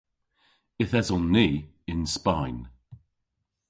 Yth eson ni yn Spayn.